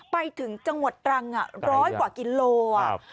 ไปถึงจังหวัดตรังครรภ์๑๐๐กว่ากิโลบาท